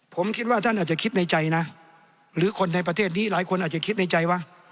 ผมคิดว่าท่านอาจจะคิดในใจนะหรือคนในประเทศนี้หลายคนอาจจะคิดในใจว่า